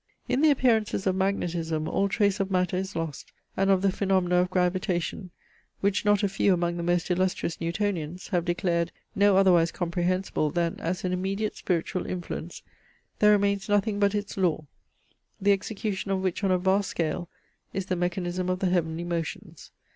In the appearances of magnetism all trace of matter is lost, and of the phaenomena of gravitation, which not a few among the most illustrious Newtonians have declared no otherwise comprehensible than as an immediate spiritual influence, there remains nothing but its law, the execution of which on a vast scale is the mechanism of the heavenly motions.